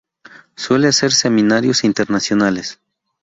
Suele hacer seminarios internacionales.